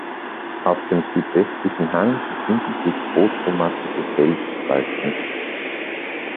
Auf dem südwestlichen Hang befinden sich großformatige Felsspalten.